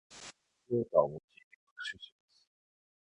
音声データを用いて学習します。